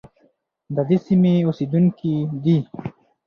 د دې سیمې اوسیدونکي دي.